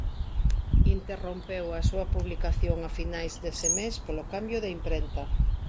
Interrompeu a súa publicación a finais dese mes polo cambio de imprenta.